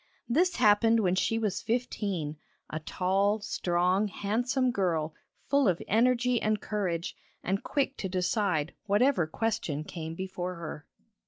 This happened when she was fifteen a tall, strong, handsome girl full of energy and courage, and quick to decide whatever question came before her.